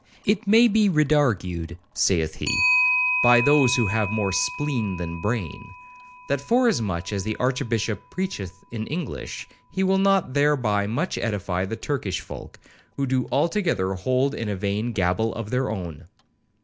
—'It may be redargued,' saith he, 'by those who have more spleen than brain, that forasmuch as the Archbishop preacheth in English, he will not thereby much edify the Turkish folk, who do altogether hold in a vain gabble of their own.'